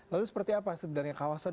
lalu seperti apa sebenarnya kawasan